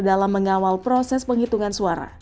dalam mengawal proses penghitungan suara